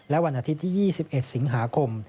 และวันอาทิตย์ที่๒๑สิงหาคม